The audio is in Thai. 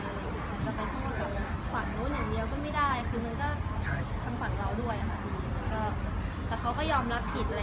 แล้วก็ไปฝันนู้นอย่างเดียวก็ไม่ได้คือมันก็ทำฝันเราด้วยอาจารย์